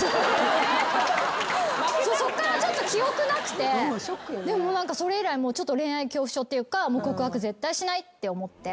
そこからちょっと記憶なくてでもそれ以来ちょっと恋愛恐怖症っていうか告白絶対しないって思って。